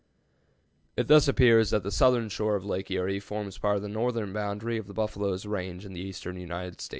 " It thus appears that the southern shore of Lake Erie forms part of the northern boundary of the buffalo's range in the eastern United States.